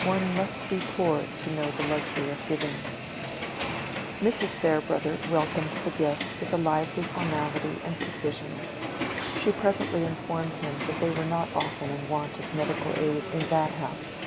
One must be poor to know the luxury of giving! Mrs. Farebrother welcomed the guest with a lively formality and precision. She presently informed him that they were not often in want of medical aid in that house.